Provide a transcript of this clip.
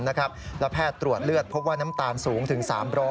แล้วแพทย์ตรวจเลือดพบว่าน้ำตาลสูงถึง๓๐๐